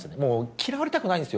嫌われたくないです